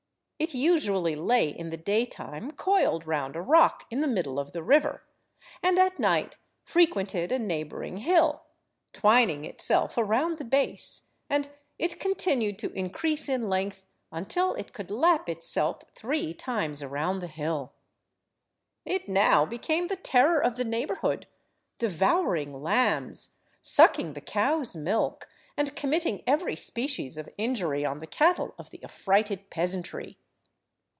It usually lay in the day–time coiled round a rock in the middle of the river, and at night frequented a neighbouring hill, twining itself around the base; and it continued to increase in length until it could lap itself three times around the hill. It now became the terror of the neighbourhood, devouring lambs, sucking the cow's milk, and committing every species of injury on the cattle of the affrighted peasantry.